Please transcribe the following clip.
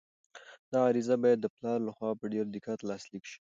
دا عریضه باید د پلار لخوا په ډېر دقت لاسلیک شي.